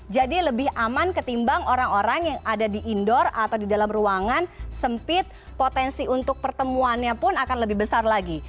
jadi lebih aman ketimbang orang orang yang ada di indoor atau di dalam ruangan sempit potensi untuk pertemuannya pun akan lebih besar lagi